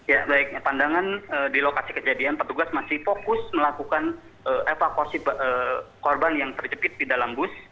ya baik pandangan di lokasi kejadian petugas masih fokus melakukan evakuasi korban yang terjepit di dalam bus